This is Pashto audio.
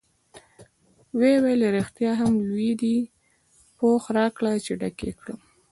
ویې ویل: رښتیا هم لوی دی، پوښ راکړه چې ډک یې کړم.